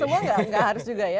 semua nggak harus juga ya